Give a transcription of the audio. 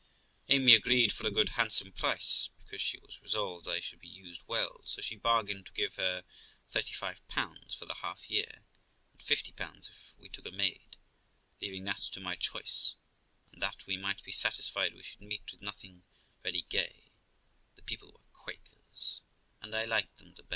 Amy agreed for a good, handsome price, because she was resolved I should be used well; so she bargained to give her 35 for the half year, and 50 if we took a maid, leaving that to my choice ; and that we might be satisfied we should meet with nothing very gay, the people were Quakers, and I liked them the better.